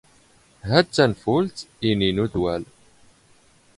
ⵀⴰ ⴷ ⵜⴰⵏⴼⵓⵍⵜ ⵉⵏⵉ ⵏ ⵓⴷⵡⴰⵍ.